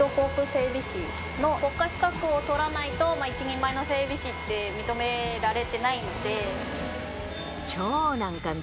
１等航空整備士の国家資格をとらないと、一人前の整備士って認められてないんで。